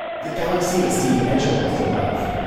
The galaxy is seen edge-on from Earth.